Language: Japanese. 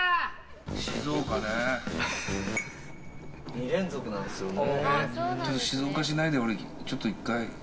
２連続なんですよね。